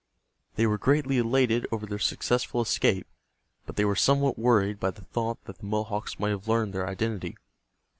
They were greatly elated over their successful escape, but they were somewhat worried by the thought that the Mohawks might have learned their identity.